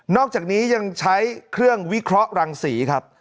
อกจากนี้ยังใช้เครื่องวิเคราะห์รังศรีครับ